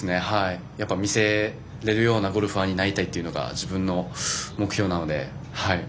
見せれるようなゴルファーになりたいというのが自分の目標なので。